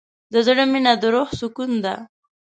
د زړه مینه د روح سکون ده.